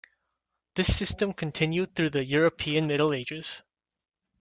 This system continued through the European Middle Ages.